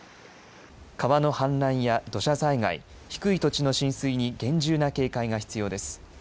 川の氾濫や土砂災害、低い土地の浸水に厳重な警戒が必要です。